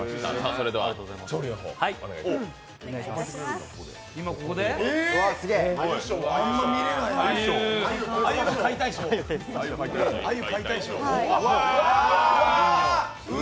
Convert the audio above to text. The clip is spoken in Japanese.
それでは調理の方お願いします。